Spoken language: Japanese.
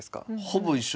ほぼ一緒。